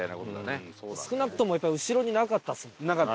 少なくとも後ろになかったですもん。